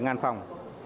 nó khoảng bảy phòng